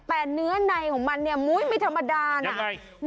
แต่เนื้อในของมันเนี่ยมุ้ยไม่ธรรมดานะ